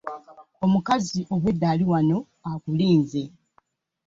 Omukazi obwedda ali wano akulinze.